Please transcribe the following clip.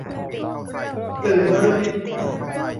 สื่อนฤมิต